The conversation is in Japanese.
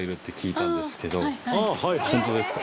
本当ですか？